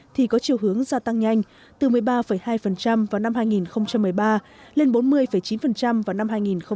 thì có chiều hướng gia tăng nhanh từ một mươi ba hai vào năm hai nghìn một mươi ba lên bốn mươi chín vào năm hai nghìn một mươi bảy